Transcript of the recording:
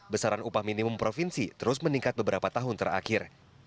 besaran upah minimum provinsi terus meningkat beberapa tahun terakhir